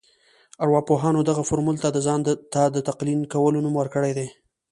ارواپوهانو دغه فورمول ته د ځان ته د تلقين کولو نوم ورکړی دی.